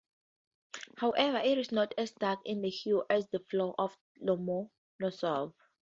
However it is not as dark in hue as the floor of Lomonosov.